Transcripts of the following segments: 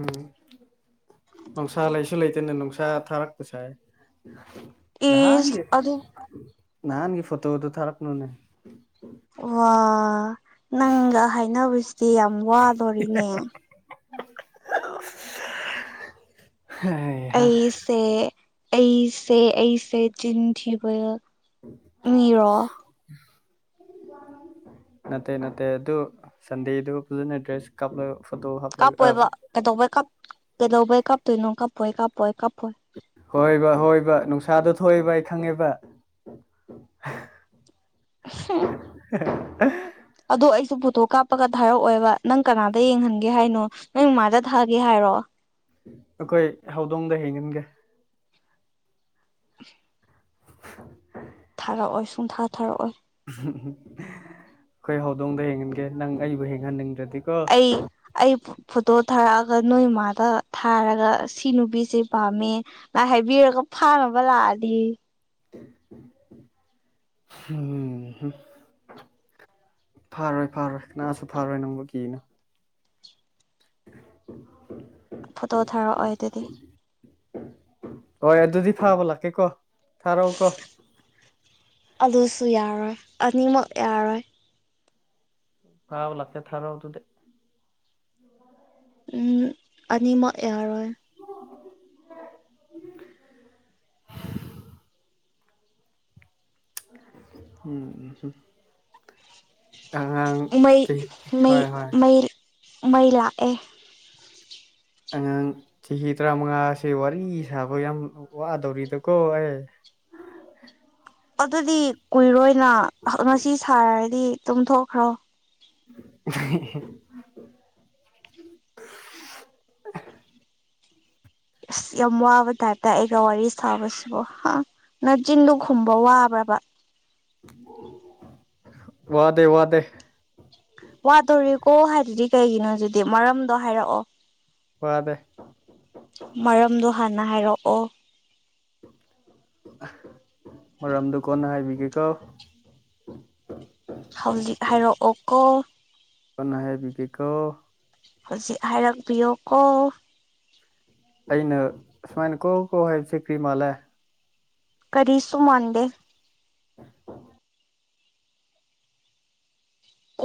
ꯎꯝ ꯅꯨꯡꯁꯥ ꯂꯩꯁꯨ ꯂꯩꯇꯦꯅꯦ ꯇꯁꯥ ꯊꯔꯒ ꯇꯁ ꯏꯁ ꯅꯍꯥꯟꯒꯦ ꯑꯗꯨꯝ ꯅ ꯅ ꯐꯣꯇꯣ ꯋꯥꯇꯣ ꯊꯔꯛꯅꯨꯅꯦ ꯋꯥ ꯅꯪꯒ ꯍꯥꯏꯅꯕꯅꯕꯁꯤꯗꯤ ꯌꯥꯝ ꯋꯥꯗꯣꯔꯤꯅꯦ [inaudible] ꯍꯩꯍꯥ ꯑꯩꯁꯦ ꯑꯩꯁꯦ ꯑꯩꯁꯦ ꯆꯤꯟ ꯊꯤꯕ ꯃꯤꯔꯣ ꯅꯠꯇꯦ ꯅꯠꯇꯦ ꯑꯗꯨ ꯑꯗꯨ ꯁꯗꯤꯗꯨ ꯄꯖꯅ ꯗ꯭ꯔꯦꯁ ꯀꯞ ꯀꯥꯞꯄꯣꯏꯕ ꯀꯩꯗꯧꯕꯩ ꯀꯥꯞ ꯀꯩꯗꯧꯕꯩ ꯀꯥꯞꯇꯣꯏꯅꯣ ꯀꯥꯞꯄꯣꯏ ꯀꯥꯞꯄꯣꯏ ꯀꯥꯞ ꯍꯣꯏꯕꯕꯥ ꯍꯣꯏ ꯕꯥ ꯅꯨꯡꯁꯥ ꯄꯁꯥꯗꯣ ꯊꯣꯛꯑꯦꯕ ꯑꯩ ꯈꯪꯉꯦꯕ [inaudible] ꯑ ꯑꯗꯣ ꯑꯩꯁꯨ ꯄꯣꯊꯣꯛ ꯀꯥꯞꯄꯒ ꯊꯥꯔꯛꯑꯣꯏꯕ ꯅꯪ ꯀꯅꯥꯗ ꯌꯦꯡꯍꯟꯒꯦ ꯍꯥꯏꯅꯣ ꯅꯪ ꯃꯃꯥꯗ ꯊꯥꯒꯦ ꯍꯥꯏꯔ ꯔꯣ ꯑꯩꯈꯣꯏ ꯍꯧꯗꯣꯡꯗ ꯍꯦꯟꯒꯟꯒꯦ [inaudible] [inaudible] ꯄꯨꯡꯟꯊꯥ ꯊꯥꯔꯛꯑꯣꯏ ꯑꯩꯈꯣꯏ ꯍꯧꯗꯣꯡꯗ ꯍꯦꯡꯍꯟꯒꯦ ꯅꯪ ꯑꯩꯕꯨ ꯍꯦꯡꯍꯟꯅꯤꯡꯗ꯭ꯔꯗꯤ ꯑꯩ ꯑꯩ ꯐꯣꯇꯣ ꯊꯥꯔꯛꯑꯒ ꯅꯣꯏꯃꯥꯗ ꯊꯥꯔꯒ ꯁꯤ ꯅꯨꯄꯤꯁꯦ ꯄꯥꯝꯃꯦ ꯉ ꯍꯥꯏꯕꯤꯔꯒ ꯐꯥꯔꯕ ꯂꯗꯤ ꯎꯝ ꯐꯔꯣꯏ ꯐꯔꯣꯏ ꯉꯥꯁꯨ ꯐꯔꯣꯏ ꯅꯪꯕꯨ ꯀꯤꯅꯣ [inaudible] ꯐꯣꯇꯣ ꯊꯥꯔꯛꯑꯣꯏ ꯑꯗꯨꯗꯤ ꯍꯣꯏ ꯑꯗꯨꯗꯤ ꯐꯥꯕ ꯂꯥꯛꯀꯦ ꯀꯣ ꯊꯥꯔꯛꯎ ꯀꯣ ꯑꯂꯨꯁꯨ ꯌꯥꯔꯣꯏ ꯑꯅꯤꯃꯛ ꯌꯥꯔꯣꯏ ꯍꯥꯎ ꯂꯠꯇꯦ ꯊꯔꯥꯎꯗꯨꯗ ꯎꯝ ꯑꯅꯤꯃꯛ ꯌꯥꯍꯔꯣꯏ [inaudible] ꯎꯝ ꯑꯉꯥꯡ ꯃꯩ ꯆꯍꯤ ꯃꯩ ꯍꯣꯏ ꯍꯣꯏ ꯃꯩ ꯃꯩ ꯂꯥꯛ ꯑꯦ ꯑꯉꯥꯡ ꯆꯍꯤ ꯇꯔꯥꯃꯉꯥꯁꯦ ꯋꯥꯔꯤ ꯁꯥꯕ ꯌꯥꯝ ꯋꯥꯗꯧꯔꯤꯗꯀꯣ ꯑꯩ [unintelligible] ꯑꯗꯨꯗꯤ ꯀꯨꯏꯔꯣꯏꯅ ꯉꯁꯤ ꯁꯥꯔꯔꯗꯤ ꯇꯨꯝꯊꯣꯛꯈ꯭ꯔꯣ [unintelligible] [unintelligible] ꯑꯁ ꯌꯥꯝ ꯋꯥꯕ ꯇꯥꯇ ꯑꯩꯒ ꯋꯥꯔꯤ ꯁꯥꯕꯁꯤꯕꯣ ꯅꯆꯤꯟꯗꯨ ꯈꯨꯝꯕ ꯋꯥꯕ꯭ꯔꯕ ꯋꯥꯗꯦ ꯋꯥꯗꯦ ꯋꯥꯗꯣꯔꯤꯀꯣ ꯍꯥꯏꯗꯨꯗꯤ ꯀꯩꯒꯤꯅꯣ ꯑꯗꯨꯗꯤ ꯃꯔꯝꯗꯣ ꯍꯥꯏꯔꯛꯑꯣ ꯐꯗꯦ ꯅꯅꯥꯍ ꯍꯥꯏꯔꯛꯑꯣ ꯃꯔꯔꯝꯗꯨ ꯀꯣꯟꯅ ꯍꯥꯏꯕꯤꯒꯦꯀꯣ ꯍꯧꯖꯤꯛ ꯍꯥꯏꯔꯛꯑꯣ ꯀꯣ ꯀꯅ ꯍꯥꯏꯦꯕꯤꯒꯦꯀꯣ ꯍꯧꯖꯤꯛ ꯍꯥꯏꯔꯛꯄꯤꯌꯣꯀꯣ ꯑꯩꯅ ꯁꯨꯃꯥꯏꯅ ꯀꯣ ꯀꯣ ꯍꯥꯏꯕꯁꯦ ꯀ꯭ꯔꯤ ꯃꯥꯜꯂꯦ ꯀꯔꯤꯁꯨꯨꯃꯥꯟꯗꯦ ꯑ ꯍ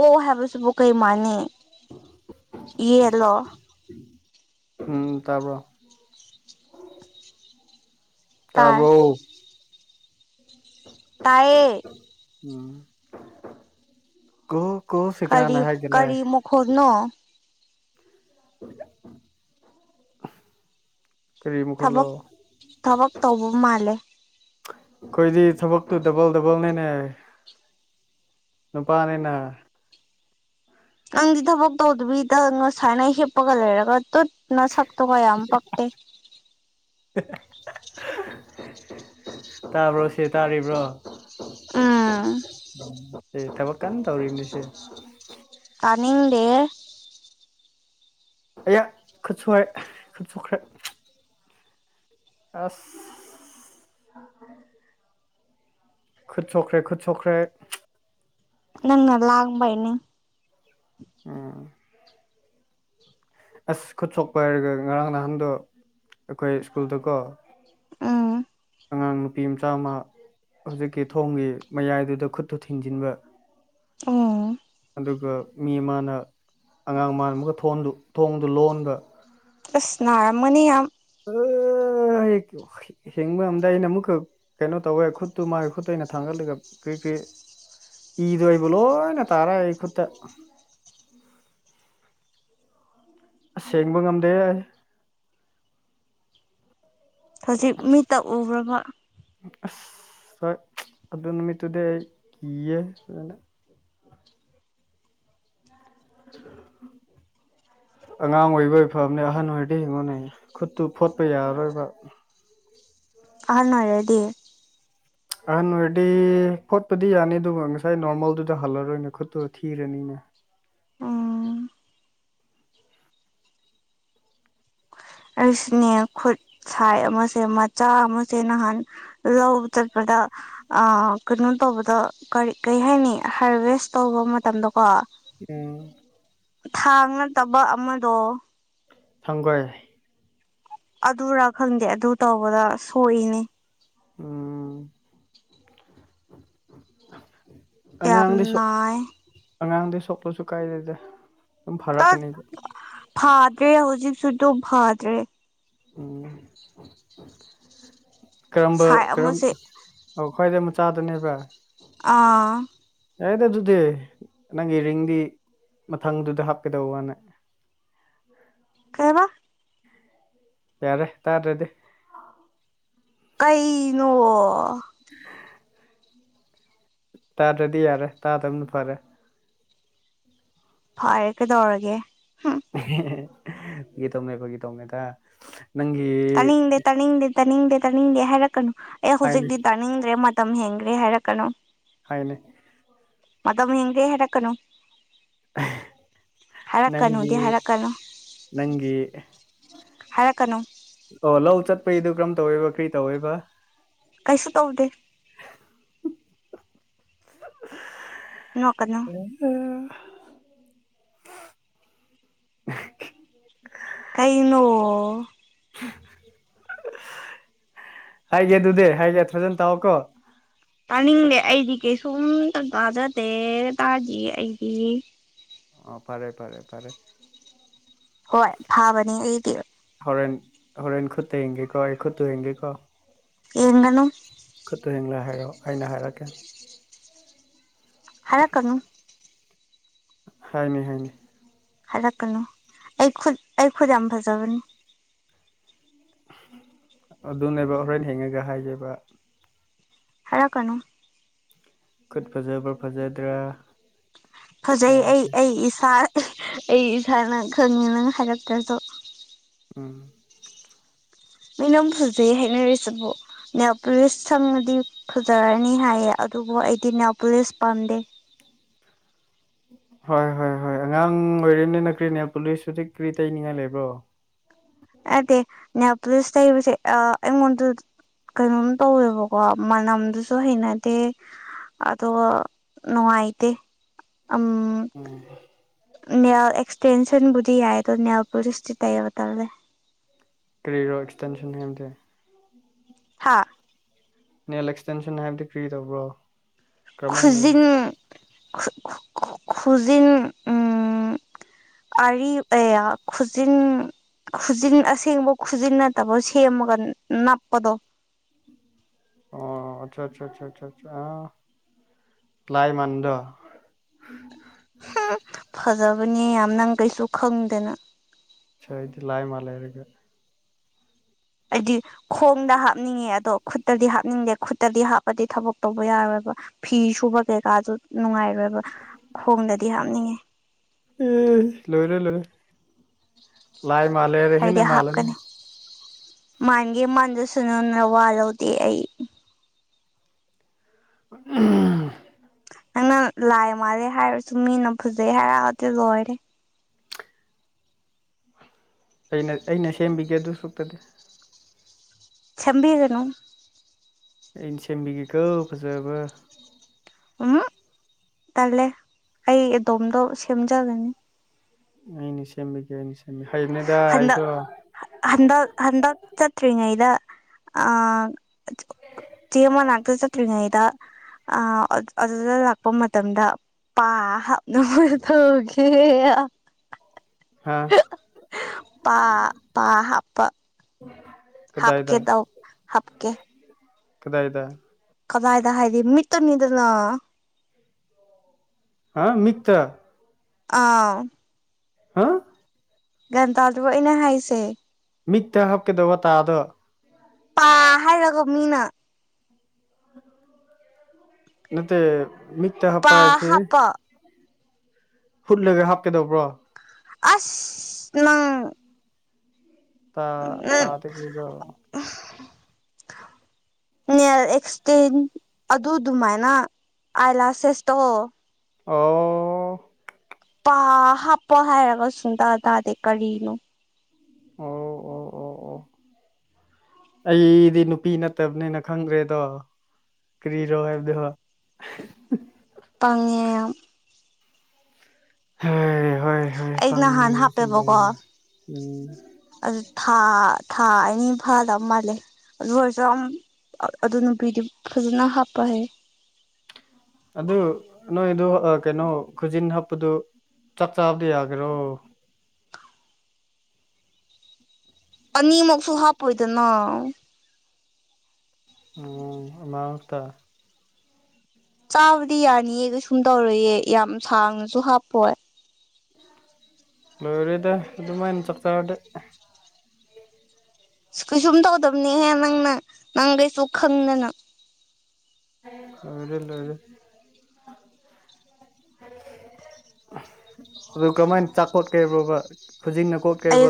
ꯑꯣ ꯍꯥꯏꯕꯁꯤꯕꯨ ꯀꯩ ꯃꯥꯥꯟꯅꯤ ꯌꯦꯂꯣ ꯎꯝ ꯇꯄ ꯇꯥꯏ ꯇꯔꯕꯣ ꯇꯌꯦ ꯎꯝ ꯀ ꯀꯣ ꯀꯔꯤ ꯁꯤꯀꯅꯅ ꯍꯥꯏꯒ ꯂꯩ ꯀꯔꯤ ꯃꯈꯣꯟꯅꯣ [unintelligible] ꯃꯈꯣꯜꯂꯣ ꯊꯕꯛ ꯊꯕꯛ ꯇꯧꯕ ꯃꯥꯜꯂꯦ ꯀꯣꯏꯗꯤ ꯊꯕꯛ ꯇꯨ ꯗꯕꯜ ꯗꯕꯜꯅꯦꯅꯦ ꯅꯨꯄꯥꯅꯤꯅ ꯅꯪꯗꯤ ꯊꯕꯛ ꯇꯧꯗꯕꯤꯗ ꯉꯁꯥꯏꯅ ꯍꯤꯞꯄꯒ ꯂꯩꯔꯒ ꯇꯨꯠꯅ ꯁꯛꯇꯨ ꯀꯌꯥꯝ ꯄꯛꯇꯦ [unintelligible] ꯇꯥꯕ꯭ꯔꯣ ꯁꯤꯦ ꯇꯥꯔꯤꯕ꯭ꯔꯣ ꯑꯥ ꯊꯕꯛ ꯀꯟꯅ ꯇꯧꯔꯤꯅꯤ ꯁꯤꯦ ꯇꯅꯤꯅꯤꯡꯂ ꯑꯌꯥ ꯈꯠꯁꯨꯣꯛꯈꯦ ꯈꯠꯁꯨꯣꯛꯈ꯭ꯔꯦ ꯑꯁ ꯈꯨꯠ ꯁꯣꯈ꯭ꯔꯦ ꯈꯠꯠ ꯁꯣꯈ꯭ꯔꯦ ꯅꯪꯅ ꯂꯑꯕꯏꯅꯤ ꯎꯝ ꯑꯁ ꯈꯨꯠ ꯁꯣꯛꯄ ꯍꯥꯏꯔꯒ ꯉꯔꯥꯡ ꯅꯍꯥꯟꯗꯣ ꯑꯩꯈꯣꯏ ꯁ꯭ꯀꯨꯜꯗꯀꯣ ꯎꯝ ꯑꯉꯥꯡ ꯅꯨꯄꯤ ꯃꯆꯥ ꯑꯃ ꯍꯧꯖꯤꯛꯀꯤ ꯊꯣꯡꯒꯤ ꯃꯌꯥꯏꯗꯨꯗ ꯈꯨꯠꯇꯨ ꯊꯤꯡꯖꯤꯟꯕ ꯑꯣ ꯑꯗꯨꯒ ꯃꯤ ꯑꯃꯅ ꯑꯉꯥꯡ ꯃꯥꯅ ꯑꯃꯒ ꯊꯣꯡꯗꯨ ꯂꯣꯟꯕ ꯑꯁꯅꯔꯃꯅꯤ ꯌꯥꯝ [unintelligible] ꯍꯤꯡꯕ ꯑꯝꯗꯏ ꯑꯩꯅ ꯑꯃꯨꯛꯀ ꯀꯩꯅꯣ ꯇꯧꯋꯦ ꯈꯨꯠꯇꯨ ꯃꯥꯒꯤ ꯈꯨꯠꯇꯨ ꯑꯩꯅ ꯊꯥꯡꯒꯠꯂꯒ ꯀ ꯏꯗ ꯑꯣꯏꯏꯕꯂꯣꯅ ꯇꯥꯔꯥ ꯑꯩ ꯈꯨꯠꯇ ꯑ ꯁꯦꯡꯕ ꯉꯝꯗꯦ ꯍꯧꯖꯤꯛ ꯃꯤꯇ ꯎꯈ꯭ꯔꯕ ꯑ ꯑꯗꯨꯗ ꯅꯨꯃꯤꯠꯇꯨꯗꯏ ꯀꯤꯌꯦꯦ [inaudible] ꯑꯉꯥꯡ ꯑꯣꯏꯕ ꯑꯣꯏ ꯐꯕꯅꯦ ꯑꯍꯟ ꯑꯣꯏꯔꯗꯤ ꯍꯤꯡꯉꯣꯅꯌꯦ ꯈꯨꯠꯇꯨ ꯐꯣꯠꯄ ꯌꯥꯔꯔꯣꯏꯕ ꯐꯥꯅꯔꯗꯤ ꯑꯍꯟ ꯑꯣꯏꯔꯗꯤ ꯐꯣꯠꯄꯗꯤ ꯌꯥꯅꯤ ꯑꯗꯨꯒ ꯉꯁꯥꯏ ꯅꯣꯔꯃꯦꯜꯗꯨꯗ ꯍꯜꯂꯔꯣꯏꯅꯦ ꯈꯨꯠꯇꯨ ꯊꯤꯔꯅꯤꯅꯦ ꯑ ꯈꯨꯁꯜ ꯑꯩꯁꯤꯅꯦ ꯈꯨꯠ ꯁꯥꯏ ꯑꯃꯁꯦ ꯃꯆꯥ ꯑꯃꯁꯦ ꯅꯍꯥꯟ ꯂꯧꯕ ꯆꯠꯄꯗ ꯑ ꯀꯩꯅꯣ ꯇꯧꯕꯗ ꯀꯔꯤ ꯀꯔꯤ ꯍꯥꯏꯅꯤ ꯍꯥꯔꯚꯦꯁ ꯇꯧꯕ ꯃꯇꯝꯗꯀꯣ ꯎꯝ ꯊꯥꯡ ꯅꯠꯇꯕ ꯑꯃꯗꯣ ꯊꯥꯡꯒꯜ ꯑꯗꯨꯔꯥ ꯈꯪꯗꯦ ꯑꯗꯨ ꯇꯧꯕꯗ ꯁꯣꯛꯏꯅꯦ ꯎꯝ ꯀꯌꯥ ꯄꯨꯝ ꯅꯥꯏ ꯑꯉꯥꯡꯗꯩ ꯁꯣꯛꯄꯁꯨ ꯀꯥꯏꯗꯦꯗꯦ ꯇ ꯐꯥꯗ꯭ꯔꯦ ꯍꯧꯖꯤ ꯁꯗ ꯐꯥꯗ꯭ꯔꯦ [inaudible] ꯎꯝ ꯀꯔꯝꯕ ꯁꯥꯏ ꯀꯔꯝ ꯑꯃꯁꯦ ꯑꯣ ꯈ꯭ꯋꯥꯏꯗꯩ ꯃꯆꯥꯗꯅꯦꯕ ꯑꯥ ꯌꯥꯏꯗ ꯑꯗꯨꯗꯤ ꯅꯪꯒꯤ ꯔꯤꯡꯗꯤ ꯃꯊꯪꯗꯨꯗ ꯍꯥꯞꯀꯗꯧꯕꯅ ꯀꯩ ꯑ ꯕ ꯌꯥꯔꯦ ꯇꯥꯗꯔ꯭ꯗꯤ ꯀꯩ ꯅꯣ [inaudible] ꯇꯥꯗ꯭ꯔꯗꯤ ꯌꯥꯔꯦ ꯇꯥꯗꯝꯅ ꯐꯔꯦ ꯐꯔꯦ ꯀꯩꯗꯧꯔꯒꯦ ꯍꯝ ꯒꯤꯇꯣꯃꯦ ꯑꯩꯈꯒꯤ ꯒꯤ ꯇꯣꯃꯦ ꯊ ꯇꯥꯅꯤꯡꯗꯦ ꯇꯥꯅꯤꯡꯗꯦ ꯇꯥꯅꯤꯡꯗꯦ ꯇꯥꯅꯤꯡꯗꯦ ꯍꯥꯏꯔꯛꯀꯅꯨ ꯑꯩ ꯍꯥꯏꯅꯦ ꯍꯧꯖꯤꯛꯇꯤ ꯇꯥꯅꯤꯡꯗ꯭ꯔꯦ ꯃꯠ ꯇꯝ ꯍꯦꯟꯒ꯭ꯔꯦ ꯍꯥꯏꯔꯛꯀꯅꯨ ꯍꯥꯏꯅꯦ ꯃ ꯌꯥꯝꯝ ꯍꯦ ꯟꯒꯤ ꯍꯔꯛꯀꯅꯨ ꯅꯪꯒꯤ ꯍꯔꯛꯀꯅꯨꯗꯤ ꯍꯔꯀꯅꯨ ꯅꯪꯒꯤ ꯍꯥꯏꯔꯛꯀꯅꯨ ꯑꯣ ꯂꯧ ꯆꯠꯄꯩꯗꯨ ꯀꯔꯝ ꯇꯧꯋꯦꯕ ꯀꯔꯤ ꯇꯧꯋꯦꯕ ꯀꯩꯁꯨ ꯇꯧꯗꯦ ꯅꯣꯛꯀꯅꯨ ꯑ ꯀꯩꯩꯅꯣ ꯍꯥꯏꯒꯦ ꯑꯗꯨꯗꯤ ꯍꯥꯏꯒꯦ ꯐꯖꯟ ꯇꯥꯛꯑꯣꯀꯣ ꯇꯥꯅꯤꯡꯂꯦ ꯑꯩꯗꯤ ꯀꯩꯁꯨꯝꯇ ꯇꯥꯖꯗꯦ ꯇꯥꯔꯗꯤ ꯑꯩꯗꯤ ꯑꯣꯥ ꯐꯔꯦ ꯐꯔꯦ ꯐꯔꯦ ꯍꯣꯏ ꯐꯥꯕꯅꯤ ꯑꯩꯗꯤ ꯍꯣꯔꯦꯟ ꯍꯣꯔꯦꯟ ꯈꯨꯠꯇ ꯌꯦꯡꯒꯦꯀꯣ ꯑꯩ ꯈꯨꯠꯇꯨ ꯌꯦꯡꯒꯦꯀꯣ ꯌꯦꯡꯒꯅꯨ ꯍꯥꯏꯔꯣ ꯑꯩꯅ ꯍꯥꯏꯔꯛꯀꯦ ꯍꯥꯏꯔꯛ ꯀꯅꯨ ꯍꯥꯏꯅꯦ ꯍꯥꯏꯅꯦ ꯍꯥꯏꯔꯛꯀꯅꯨ ꯑꯩ ꯈꯨꯠ ꯑꯩ ꯈꯨꯠ ꯌꯥꯝ ꯐꯖꯕꯅꯤ ꯑꯗꯨꯅꯦꯕ ꯍꯣꯔꯦꯟ ꯍꯦꯡꯉꯒ ꯍꯥꯏꯒꯦꯕ ꯍꯔꯥꯀꯅꯨ ꯈꯨꯠ ꯐꯖꯕ꯭ꯔꯥ ꯐꯖꯗ꯭ꯔꯥ ꯐꯖꯩ ꯑꯩ ꯍꯥꯏꯔꯛꯀꯦ ꯑꯩ ꯏꯁꯥ ꯑꯩ ꯏꯁꯥꯅ ꯈꯪꯉꯦ ꯅꯪ ꯍꯥꯏꯔꯛꯇ꯭ꯔꯁꯨ ꯎꯝ ꯃꯤꯅꯝ ꯐꯖꯩ ꯍꯥꯏꯅꯔꯤꯁꯤꯕꯣ ꯅ ꯄꯨꯂꯤꯁ ꯁꯪꯉꯗꯤ ꯐꯖꯔꯅꯤ ꯍꯥꯏꯌꯦ ꯑꯗꯨꯕꯨ ꯑꯩꯗꯤ ꯅ ꯄꯨꯂꯤꯁ ꯄꯥꯟꯗꯦ [inaudible] ꯍꯣꯏ ꯍꯣꯏ ꯍꯣꯏ ꯑꯉꯥꯡ ꯑꯣꯏꯔꯦꯅꯦꯅ ꯀ꯭ꯔꯤꯅꯦ ꯄꯨꯂꯤꯁꯁꯨꯗꯤ ꯀ꯭ꯔꯤ ꯇꯩꯅꯤꯡꯉꯥꯏ ꯂꯩꯕ꯭ꯔꯣ ꯑꯗꯦ ꯌꯥ ꯄꯨꯁꯁꯦ ꯑꯉꯣꯗ ꯀꯩꯅꯣꯝ ꯇꯧꯋꯦꯕꯀꯣ ꯃꯅꯝꯗꯨꯁꯨ ꯍꯩꯅꯗꯦ ꯑꯗ ꯅꯨꯡꯒꯥꯏꯇꯦ ꯎꯝ ꯅꯥꯏꯜ ꯑꯦꯛꯁꯇꯦꯟꯁꯟꯕꯨꯗꯤ ꯌꯥꯏ ꯅꯥꯏꯜꯄꯣꯂꯤꯁ ꯇꯤ ꯇꯩꯕꯥ ꯇꯟꯂꯤ ꯀꯔꯤꯔ ꯑꯦꯁꯇꯦꯟꯁꯟ ꯀ ꯍꯥꯥ ꯅꯦꯜ ꯑꯦꯛꯁꯇꯦꯟꯁꯟ ꯍꯥꯏꯕꯗꯤ ꯀ꯭ꯔꯤ ꯇꯧꯕ꯭ꯔꯣ ꯀꯔꯝꯍꯥꯏꯅ ꯈꯨꯖꯤꯟ ꯈꯨꯖꯤꯟ ꯑꯔꯤ ꯑꯌꯥ ꯈꯨꯖꯤꯟ ꯈꯨꯖꯤꯟ ꯑꯁꯦꯡꯕ ꯈꯨꯖꯤꯟꯅꯠꯇꯕ ꯁꯦꯝꯃꯒ ꯅꯞꯄꯗꯣ ꯑꯣ ꯑꯆꯥ ꯑꯆꯥ ꯂꯥꯏꯃꯟꯗ ꯐꯖꯕꯅꯦ ꯌꯥꯝ ꯅꯪ ꯀꯩꯁꯨ ꯈꯪꯗꯦꯅ ꯁꯗꯤ ꯂꯥꯏ ꯃꯥ ꯂꯩꯔꯒꯦ ꯍꯥꯏꯗꯤ ꯈꯣꯡꯗ ꯍꯥꯞꯅꯤꯡꯉꯦ ꯑꯗꯣ ꯈꯨꯠꯇꯗꯤ ꯍꯥꯞꯅꯤꯡꯗꯦ ꯈꯨꯠꯇꯗꯤ ꯍꯥꯞꯄꯗꯤ ꯊꯕꯛ ꯇꯧꯕ ꯌꯥꯔꯣꯏꯕ ꯐꯤ ꯁꯨꯕ ꯀꯩꯀꯥꯁꯨ ꯅꯨꯡꯉꯥꯏꯔꯣꯏ ꯈꯣꯡꯗꯗꯤ ꯍꯥꯞꯅꯤꯡꯉꯦ ꯑꯦ ꯂꯣꯏꯔꯣꯏ ꯂꯣꯏ ꯂꯥꯏ ꯃꯜꯦꯔ ꯍꯅꯦ ꯃꯜꯅꯦ ꯃꯥꯥꯟꯒꯦ ꯃꯥꯟꯗ ꯁꯨꯅꯨ ꯅꯋꯥ ꯂꯧꯗꯦ ꯑꯩ ꯎ ꯅꯪꯅ ꯂꯥꯏ ꯃꯥꯜꯂꯦ ꯍꯥꯏꯔꯁꯨ ꯃꯤꯅ ꯐꯖꯩ ꯍꯥꯏꯔꯛ ꯑꯗꯨ ꯂꯣꯏꯔꯦ ꯑꯩꯅ ꯑꯩꯅ ꯁꯦꯝꯕꯤꯒꯦ ꯑꯗꯨ ꯁꯨꯛꯇꯗꯤ ꯁꯦꯝꯕꯤꯒꯅꯨ ꯏꯟꯁꯦꯝꯕꯤꯒꯦ ꯀꯧꯕ ꯐꯖꯕ ꯎꯝ ꯇꯜꯂꯦ ꯑꯩ ꯑꯗꯣꯝꯗꯣ ꯁꯦꯝꯖꯒꯅꯤ ꯑꯩꯅꯤ ꯁꯦꯝꯃꯦꯒꯦꯅꯤ ꯁꯦꯝꯃꯦ ꯍꯟꯗ ꯍꯟꯗ ꯍꯟꯗ ꯆꯠꯇ꯭ꯔꯤꯉꯩꯗ ꯑ ꯆꯦ ꯑꯃꯅꯥꯛꯇ ꯆꯠꯇ꯭ꯔꯤꯉꯩꯗ ꯑ ꯑꯗꯨꯗ ꯂꯥꯛꯄ ꯃꯇꯝꯗ ꯄꯥ [unintelligible] ꯍꯥꯥ ꯄꯥ ꯍꯥꯞꯀꯦꯗꯎ ꯍꯥꯞꯀꯦ ꯀꯗꯥꯥꯏꯗ ꯀꯗꯥꯏꯗ ꯍꯥꯏꯗꯤ ꯃꯤꯠꯇꯅꯤꯗꯅ ꯍꯥ ꯃꯤꯊ ꯑꯥ ꯍꯥ ꯒꯟꯇꯥꯗꯨꯕ ꯑꯩꯅ ꯍꯥꯏꯁꯦ ꯃꯤꯠꯇ ꯍꯥꯞꯀꯗꯧꯕ ꯇꯥꯗꯣ ꯄꯥ ꯍꯥꯏꯔꯒ ꯃꯤꯅ ꯅꯠꯇ ꯃꯤ ꯍꯥꯞꯄ ꯄꯥ ꯍꯥꯏꯕꯁꯤ ꯍꯥꯞꯄ ꯍꯨꯠꯂꯒ ꯍꯥꯞꯀꯗꯧꯕ꯭ꯔꯣ ꯑꯁ ꯂꯪ ꯎꯝ ꯇꯥ ꯇꯥꯗꯕꯤꯗꯣ ꯅꯦꯜ ꯑꯦꯁꯇꯦꯟ ꯑꯗꯨꯗꯨ ꯃꯥꯏꯅ ꯑꯥꯏꯂꯥꯁꯦꯁꯇꯣ ꯑꯣ ꯄꯥ ꯍꯥꯞꯄꫭ ꯍꯥꯏꯔꯒ ꯁꯨꯡꯇꯥ ꯇꯥꯗꯦ ꯀꯔꯤꯅꯣ ꯑꯣ ꯑꯣ ꯑꯣ ꯑꯣ ꯑꯩꯗꯤ ꯅꯨꯄꯤ ꯅꯠꯇꯕꯅꯤꯅ ꯈꯪꯗ꯭ꯔꯦꯗꯣ ꯀꯔꯤꯔꯣ ꯍꯥꯏꯕꯗꯨꯕꫭ ꯄꯪꯉꯦ ꯌꯥꯝ ꯍꯣꯏ ꯍꯣꯏ ꯍꫭꯏ ꯑꯩ ꯅꯍꯥꯟ ꯄꯪꯉꯦꯖꯨ ꯍꯥꯞꯄꯦꯕꯀꯣ ꯌꯥꯏ ꯎꯝ ꯑꯗꯨ ꯊꯥ ꯊꯥ ꯑꯅꯤ ꯐꯥꯗ ꯃꯥꯜꯂꯦ ꯑꯗꯨ ꯑꯣꯏꯔꯁꯨ ꯑꯝ ꯑ ꯑꯗꯨ ꯅꯨꯄꯤꯗꯤ ꯐꯖꯅ ꯍꯥꯞꯄ ꯍꯩ ꯑꯗꯨ ꯅꯣꯏ ꯑꯗꯨ ꯑ ꯀꯩꯅꯣ ꯈꯨꯖꯤꯟ ꯍꯛꯄꯗꯨ ꯆꯥꯛ ꯆꯥꯕꯗꯤ ꯌꯥꯒꯦꯔꯣ ꯑꯅꯤꯃꯛꯁꯨ ꯍꯥꯞꯄꯣꯏꯗꯅ ꯑꯣ ꯑꯃꯥ ꯇ ꯆꯥꯕꯗꯤ ꯌꯥꯅꯤꯌꯦ ꯀꯩꯁꯨꯝ ꯇꯧꯔꫭꯏꯌꯦ ꯌꯥꯝ ꯁꯥꯡꯅꯁꯨ ꯍꯥꯞꯄꯣꯏ ꯂꫭꯏꯔꯦꯗ ꯑꯗꯨꯃꯥꯟ ꯆꯥꯛꯆꯔꯗꯤ ꯀꯩꯁꯨꯝ ꯇꯧꯗꯕꯅꯤꯍꯦ ꯅꯪꯅ ꯅꯪ ꯀꯩꯁꯨ ꯈꯪꯗꯅ ꯂꫭꯏꯔꯦ ꯂꫭꯏꯔꯦ ꯑꯗꯨ ꯀꯃꯥꯏ ꯆꯥꯛ ꯀꫭꯠꯀꯦꯕꯕ ꯑꯩ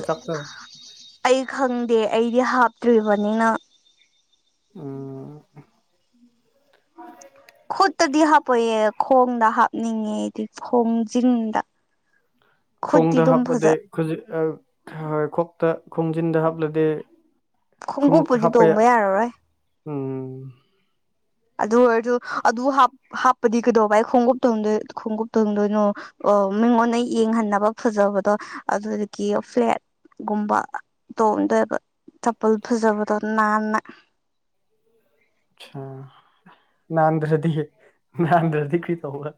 ꯑꯩ ꯈꯪꯗꯦ ꯑꯩꯗꯤ ꯍꯥꯞꯇ꯭ꯔꯤꯕꯅꯤꯅ ꯎꯝ ꯈꯨꯠꯇꯗꯤ ꯍꯥꯞꯄꯣꯏꯌꯦ ꯈꯣꯡꯗ ꯍꯥꯞꯅꯤꯡꯉꯦ ꯑꯩꯗꯤ ꯈꯣꯡꯖꯤꯡꯗ ꯈꯣꯡꯗ ꯍꯥꯞꯄꯗꯤ‌ ꯈꯨꯖꯤꯟ ꯑ ꯈꫭꯛꯇ ꯈꯣꯡꯖꯤꯟꯗ ꯍꯥꯞꯂꯗꯤ ꯈꯣꯡꯎꯞ ꯈꯨꯡꯉꯨꯞꯄꯨꯗꯤ ꯍꯥꯞꯄ ꯌꯥ ꯇꯣꯡꯕ ꯌꯥꯔꯔꯣꯏ ꯎꯝ ꯑꯗꯨ ꯑꯣꯏꯔꯁꯨ ꯑꯗꯨ ꯍꯥꯞ ꯍꯥꯞꯄꯗꯤ ꯀꯩꯗꯧꯕꯩ ꯈꯣꯡꯎꯞ ꯇꫭꯡꯗꯣꯏ ꯈꯣꯡꯎꯞ ꯊꫭꯡꯗꯣꯏꯅꯣ ꯑꯣ ꯃꯤꯉꯣꯟꯗ ꯌꯦꯡꯍꯟꯅꯕ ꯐꯖꯕꯗꯣ ꯑꯗꯨꯒꯤ ꯐ꯭ꯂꯦꯠ ꯒꯨꯝꯕ ꯇꯣꯡꯗꯣꯏꯕ ꯆꯞꯄꯜ ꯐꯖꯕꯗꯣ ꯅꯥꯟꯅ [unintelligible] [inaudible] ꯑꯠꯁꯥ ꯅꯥꯟꯗ꯭ꯔꯗꯤꯌꯦ ꯅꯥꯟꯗꯗꫭꯏꯈꯤ ꯇꯧꯕ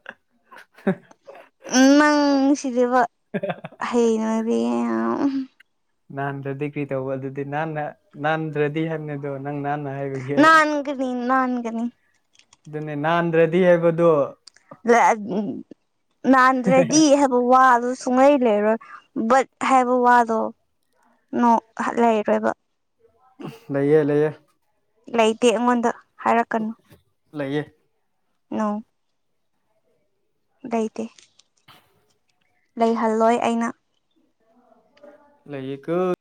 ꯎꯝ ꯅꯪ ꯁꯤꯗꯤꯕ ꯍꯩꯅꯗꯤꯌꯦ ꯅꯥꯟ ꯔꯗꯤ ꯀ꯭ꯔꯤ ꯇꯕꯨ ꯑꯗꯨꯗꯤ ꯅꯥꯟ ꯅꯥꯟ ꯔꯗꯤ ꯍꯪ ꯑꯗꯨꯣ ꯅꯪ ꯅꯥꯟ ꯍꯥꯏꯕꯒ ꯅꯥꯟꯒꯅꯤ ꯅꯥꯟꯒꯅꯤ ꯑꯗꯨꯅꯦ ꯅꯟ꯭ꯔꯦꯗꯤ ꯍꯦꯕꯗꯨ ꯅꯥꯟꯗ꯭ꯔꯦꯗꯤ ꯍꯥꯏꯕ ꯋꯥ ꯁꯨꯡꯂꯩ ꯂꯩꯔꯣꯏ ꯕꯠ ꯍꯥꯏꯕ ꯋꯥꯗꯣ ꯅ ꯂꯩꯔꯣꯏꯕ ꯂꯩꯌꯦꯦ ꯂꯩꯌꯦꯦ ꯂꯩꯇꯦ ꯑꯩꯉꯣꯟꯗ ꯍꯥꯏꯔꯛꯀꯅꯨ ꯂꯩꯌꯦ ꯑ ꯩꯇ ꯂꯩꯍꯜꯂꯣꯏ ꯑꯩꯅ ꯂꯩ ꯀ